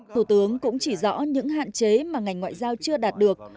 thủ tướng cũng chỉ rõ những hạn chế mà ngành ngoại giao chưa đạt được